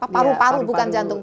paru paru bukan jantung